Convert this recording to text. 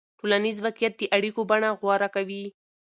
ټولنیز واقعیت د اړیکو بڼه غوره کوي.